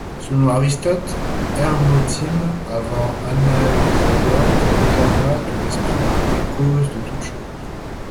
Selon Aristote, Hermotime, avant Anaxagore, proclama que l'esprit est cause de toutes choses.